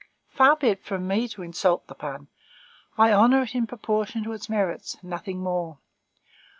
Far be it from me to insult the pun! I honor it in proportion to its merits; nothing more.